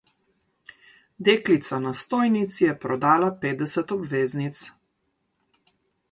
Deklica na stojnici je prodala petdeset obveznic.